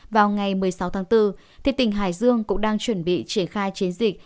vào ngày một mươi sáu tháng bốn tỉnh hải dương cũng đang chuẩn bị triển khai chiến dịch